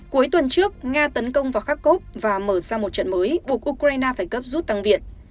cuối tuần trước nga tấn công vào kharkov và mở ra một trận mới buộc ukraine phải cấp rút tăng viện